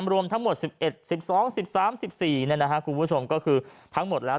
รวมทั้งหมด๑๑๑๒๑๓๑๔คุณผู้ชมก็คือทั้งหมดแล้ว